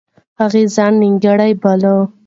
هغه ځان نیکمرغه باله.